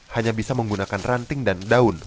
hanya bisa menggunakan ranting dan daun